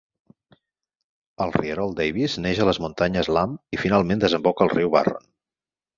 El rierol Davies neix a les muntanyes Lamb i finalment desemboca al riu Barron.